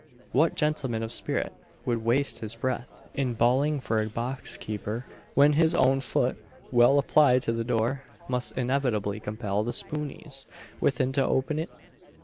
What gentleman of spirit would waste his breath in bawling for a box keeper, when his own foot, well applied to the door, must inevitably compel the "spooneys" within to open it?